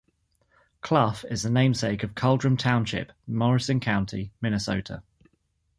Clough is the namesake of Culdrum Township, Morrison County, Minnesota.